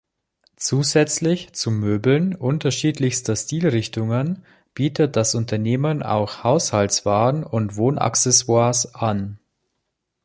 Zusätzlich zu Möbeln unterschiedlichster Stilrichtungen bietet das Unternehmen auch Haushaltswaren und Wohnaccessoires an.